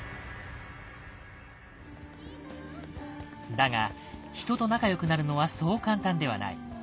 だが人と仲良くなるのはそう簡単ではない。